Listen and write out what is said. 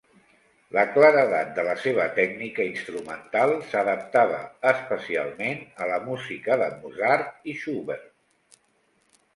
La claredat de la seva tècnica instrumental s'adaptava especialment a la música de Mozart i Schubert.